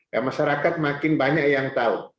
ya masyarakat makin banyak yang tahu